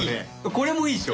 これもいいっしょ。